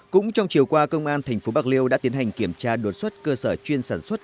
cũng trong chiều qua công an tp bạc liêu đã tiến hành kiểm tra đột xuất cơ sở chuyên sản xuất